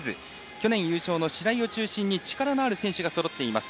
去年優勝の白井を中心に力のある選手がそろっています。